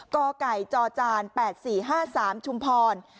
กไก่จจ๘๔๕๓ชุมพร